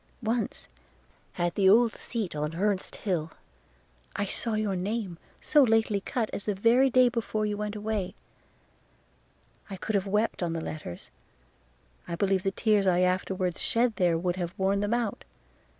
Once, at the old seat on the Hurst hill, I saw your name, so lately cut as the very day before you went away; and could I have wept on the letters, I believe the tears I afterwards shed there would have worn them out.